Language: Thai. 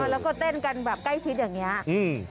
แล้วก็เต้นกันแบบใกล้ชิดอย่างเงี้ยอืม